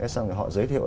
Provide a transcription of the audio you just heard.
xong rồi họ giới thiệu